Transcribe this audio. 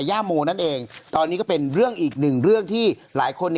ย่าโมนั่นเองตอนนี้ก็เป็นเรื่องอีกหนึ่งเรื่องที่หลายคน